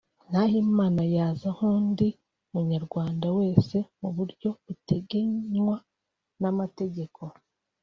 Nahimana yaza nk’undi Munyarwanda wese mu buryo butegenywa n’amategeko